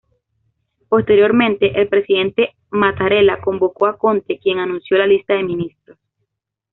Posteriormente, el presidente Mattarella convocó a Conte, quien anunció la lista de ministros.